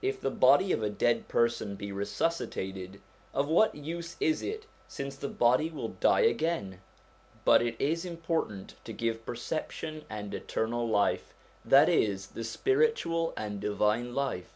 If the body of a dead person be resuscitated, of what use is it since the body will die again ? But it is important to give perception and eternal life, that is, the spiritual and divine life.